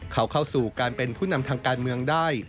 เขาเข้าสู่การเป็นผู้นำทางการเมืองได้